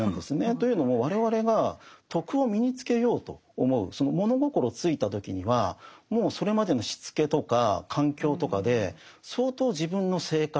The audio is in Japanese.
というのも我々が「徳」を身につけようと思うその物心ついた時にはもうそれまでのしつけとか環境とかで相当自分の性格